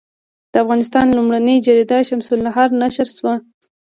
د افغانستان لومړنۍ جریده شمس النهار نشر شوه.